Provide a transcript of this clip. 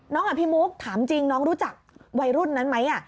อ่ะพี่มุกถามจริงน้องรู้จักวัยรุ่นนั้นไหม